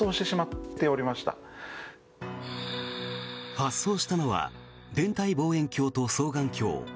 発送したのは天体望遠鏡と双眼鏡。